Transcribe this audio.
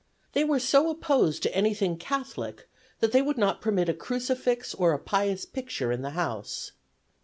They were so opposed to anything Catholic that they would not permit a crucifix or a pious picture in the house.